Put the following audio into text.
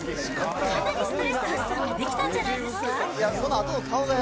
かなりストレス発散ができたんじゃないですか？